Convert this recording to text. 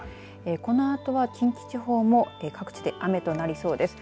このあとは近畿地方も各地で雨となりそうです。